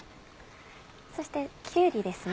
そしてきゅうりですね。